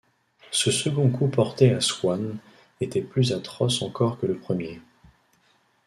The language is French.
Ce second coup porté à Swann était plus atroce encore que le premier.